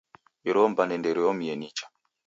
Iro mbande nderiomie nicha.